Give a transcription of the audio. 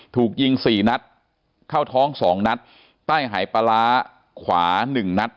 ถูกยิงสี่นัดเข้าท้องสองนัดใต้หายปลาร้าขวาหนึ่งนัด